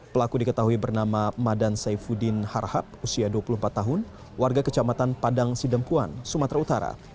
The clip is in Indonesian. pelaku diketahui bernama madan saifuddin harhab usia dua puluh empat tahun warga kecamatan padang sidempuan sumatera utara